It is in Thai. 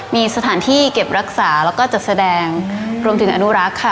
มีสถานที่เก็บรักษาแล้วก็จัดแสดงรวมถึงอนุรักษ์ค่ะ